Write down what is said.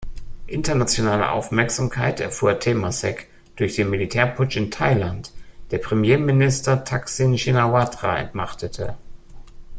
Internationale Aufmerksamkeit erfuhr Temasek durch den Militärputsch in Thailand, der Premierminister Thaksin Shinawatra entmachtete.